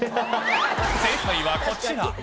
正解はこちら。